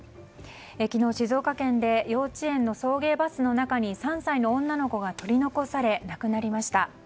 昨日、静岡県で幼稚園の送迎バスの中に３歳の女の子が取り残され亡くなりました。